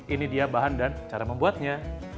ini dia bahan dan cara membuatnya